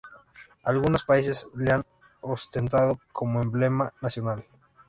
Algunos países la han ostentado como emblema nacional.